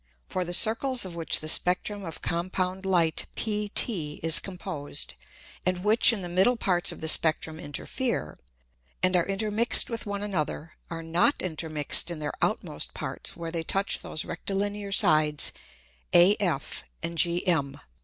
For the Circles of which the Spectrum of compound Light PT is composed, and which in the middle Parts of the Spectrum interfere, and are intermix'd with one another, are not intermix'd in their outmost Parts where they touch those Rectilinear Sides AF and GM.